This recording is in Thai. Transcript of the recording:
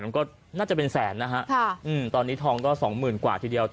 มันก็น่าจะเป็นแสนนะฮะตอนนี้ทองก็สองหมื่นกว่าทีเดียว